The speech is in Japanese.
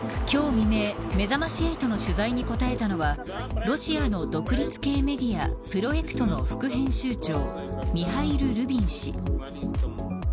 今日未明めざまし８の取材に答えたのはロシアの独立系メディアプロエクトの副編集長ミハイル・ルビン氏。